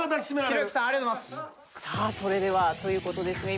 さあそれではという事でですね